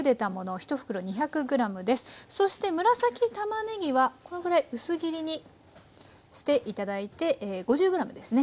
紫たまねぎはこのぐらい薄切りにして頂いて５０ｇですね。